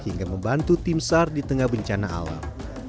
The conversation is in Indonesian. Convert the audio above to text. hingga membantu tim sar di tengah bencana alam